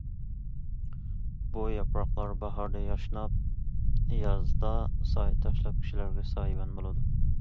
بۇ ياپراقلار باھاردا ياشناپ، يازدا سايە تاشلاپ، كىشىلەرگە سايىۋەن بولىدۇ.